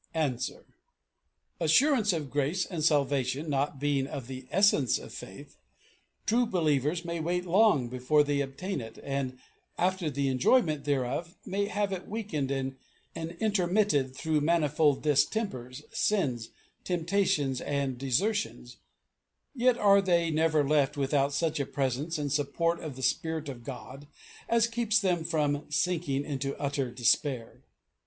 Answer: Assurance of grace and salvation not being of the essence of faith, true believers may wait long before they obtain it, and, after the enjoyment thereof, may have it weakened and intermitted through manifold distempers, sins, temptations, and desertions; yet are they never left without such a presence and support of the Spirit of God as keeps them from sinking into utter despair."